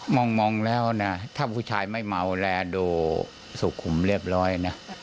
มองแล้วนะถ้าผู้ชายไม่เมาและดูสุขุมเรียบร้อยนะ